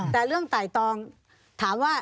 แต่เรื่องไต่ตองถามว่า